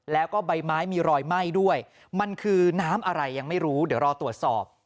แล้วก็ใบไม้มีรอยไหม้ด้วยมันคือน้ำอะไรยังไม่รู้เดี๋ยวรอตรวจสอบ